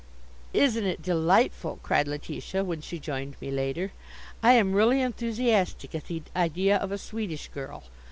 "Isn't it delightful?" cried Letitia, when she joined me later. "I am really enthusiastic at the idea of a Swedish girl.